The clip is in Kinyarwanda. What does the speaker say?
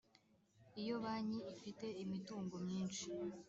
iyo banki ifite imitungo myinshi